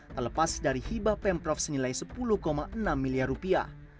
terlepas dari hibah pemprov senilai sepuluh enam miliar rupiah